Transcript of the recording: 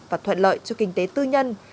và thuận lợi cho kinh tế tư nhân